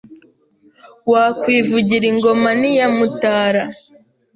Wakwivugira ingoma n'iya mutara